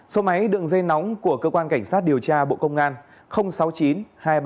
số máy đường dây nóng của cơ quan cảnh sát điều tra bộ công an sáu mươi chín hai trăm ba mươi bốn năm nghìn tám trăm sáu mươi